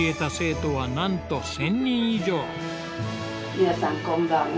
皆さんこんばんは。